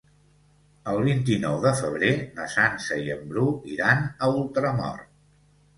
El vint-i-nou de febrer na Sança i en Bru iran a Ultramort.